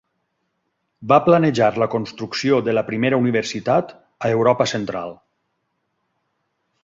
Va planejar la construcció de la primera universitat a Europa central.